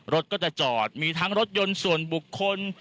รถก็จะจอดมีทั้งรถยนต์ส่วนบุคคล